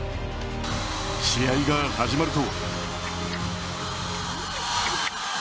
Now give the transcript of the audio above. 試合が始まると。